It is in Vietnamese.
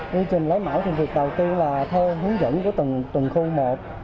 quy trình lấy mẫu thì việc đầu tiên là theo hướng dẫn của từng khu một